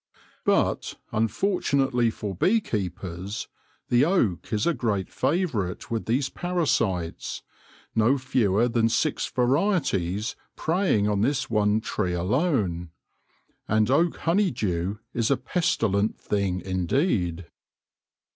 But, unfortunately for bee keepers, the oak is a great favourite with these parasites, no fewer than six varieties preying on this one tree alone. And oak honeydew is a pestilent thing indeed.